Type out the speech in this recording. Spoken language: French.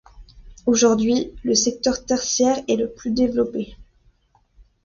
Aujourd'hui, le secteur tertiaire est le plus développé.